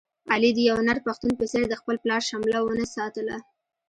علي د یو نر پښتون په څېر د خپل پلار شمله و نه ساتله.